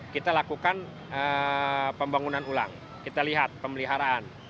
kita lakukan pembangunan ulang kita lihat pemeliharaan